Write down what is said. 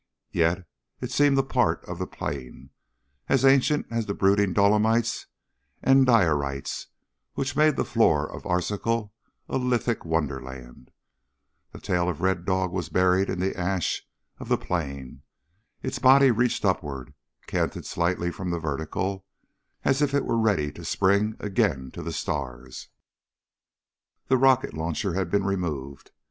Yet it seemed a part of the plain, as ancient as the brooding dolomites and diorites which made the floor of Arzachel a lithic wonderland. The tail of Red Dog was buried in the ash of the plain. Its body reached upward, canted slightly from the vertical, as if it were ready to spring again to the stars. The rocket launcher had been removed.